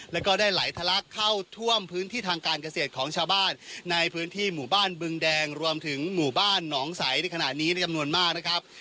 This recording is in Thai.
แล้วก็ได้ไหลทะลักเข้าท่วมพื้นที่ทางการเกษตรของชาวบ้านในพื้นที่หมู่บ้านบึงแดงรวมถึงหมู่บ้านหนองใสในขณะนี้ในจำนวนมากนะครับ